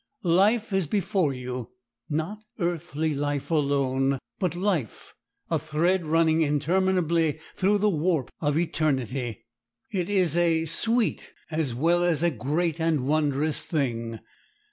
Life is before you—not earthly life alone, but life; a thread running interminably through the warp of eternity. It is a sweet as well as a great and wondrous thing.